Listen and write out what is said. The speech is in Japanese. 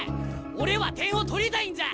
俺は点を取りたいんじゃ！